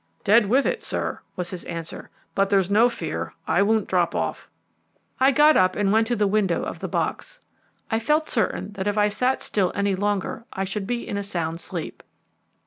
"Dead with it, sir," was his answer; "but there's no fear, I won't drop off." I got up and went to the window of the box. I felt certain that if I sat still any longer I should be in a sound sleep.